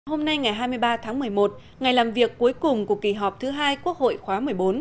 hôm nay ngày hai mươi ba tháng một mươi một ngày làm việc cuối cùng của kỳ họp thứ hai quốc hội khóa một mươi bốn